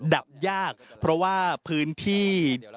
ดับยากเพราะว่าพื้นที่